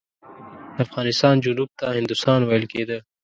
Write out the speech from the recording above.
د افغانستان جنوب ته هندوستان ویل کېده.